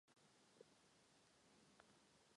Tyto tři návrhy jsou podle mého názoru obecně podporovány.